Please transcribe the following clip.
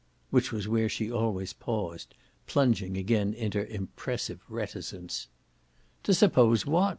Which was where she always paused, plunging again into impressive reticence. "To suppose what?"